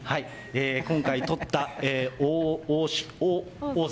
今回取った王座。